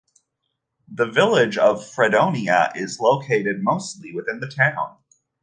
The Village of Fredonia is located mostly within the town.